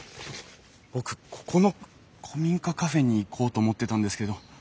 僕ここの古民家カフェに行こうと思ってたんですけど。